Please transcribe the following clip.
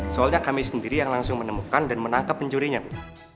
soalnya kami sendiri yang langsung menemukan dan menangkap pencurinya bu